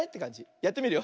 やってみるよ。